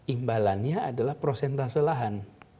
imbalannya adalah prosentase lahan